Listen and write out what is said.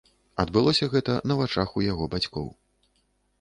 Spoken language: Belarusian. Адбылося гэта на вачах у яго бацькоў.